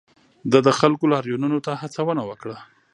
ده د خلکو لاریونونو ته هڅونه وکړه.